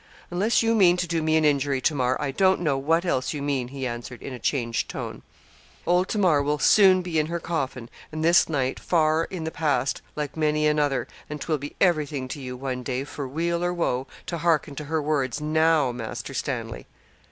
'Unless you mean to do me an injury, Tamar, I don't know what else you mean,' he answered, in a changed tone. 'Old Tamar will soon be in her coffin, and this night far in the past, like many another, and 'twill be everything to you, one day, for weal or woe, to hearken to her words now, Master Stanley.'